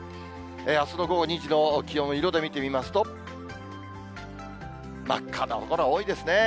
あすの午後２時の気温、色で見てみますと、真っ赤な所が多いですね。